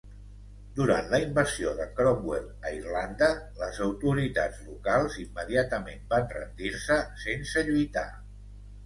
Durant la invasió de Cromwell a Irlanda, les autoritats locals immediatament van rendir-se sense lluitar.